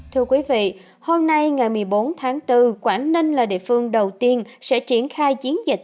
thưa quý vị hôm nay ngày một mươi bốn tháng bốn quảng ninh là địa phương đầu tiên sẽ triển khai chiến dịch